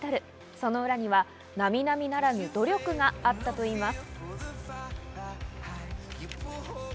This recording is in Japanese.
その裏には並々ならぬ努力があったといいます。